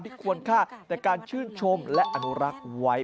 ควรค่าแต่การชื่นชมและอนุรักษ์ไว้